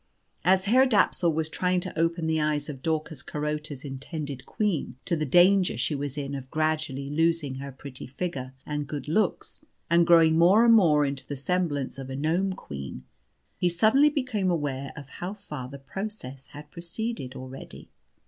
As Herr Dapsul was trying to open the eyes of Daucus Carota's intended queen to the danger she was in of gradually losing her pretty figure and good looks, and growing more and more into the semblance of a gnome queen, he suddenly became aware of how far the process had proceeded already.